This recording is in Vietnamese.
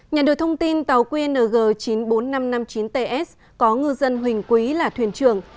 nhận được thông tin tàu qng chín mươi bốn nghìn năm trăm năm mươi chín ts có ngư dân huỳnh quý là thuyền trưởng